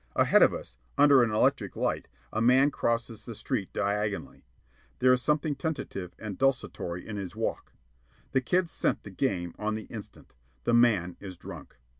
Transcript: Ahead of us, under an electric light, a man crosses the street diagonally. There is something tentative and desultory in his walk. The kids scent the game on the instant. The man is drunk.